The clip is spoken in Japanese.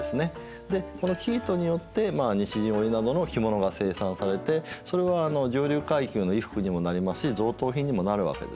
でこの生糸によってまあ西陣織などの着物が生産されてそれは上流階級の衣服にもなりますし贈答品にもなるわけですね。